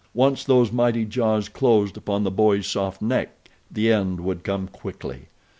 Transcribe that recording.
Once those mighty jaws closed upon the boy's soft neck the end would come quickly.